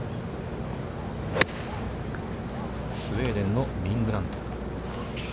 スウェーデンのリン・グラント。